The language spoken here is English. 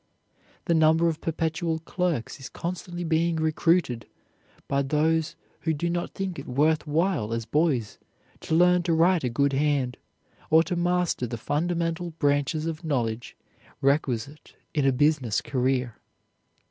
The number of perpetual clerks is constantly being recruited by those who did not think it worth while as boys to learn to write a good hand or to master the fundamental branches of knowledge requisite in a business career.